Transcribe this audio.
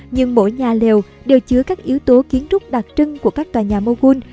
nhưng mỗi nhà liều đều chứa các yếu tố kiến trúc đặc trưng của các tòa nhà moghul